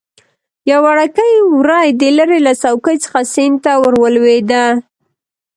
یو وړکی وری د لره له څوکې څخه سیند ته ور ولوېده.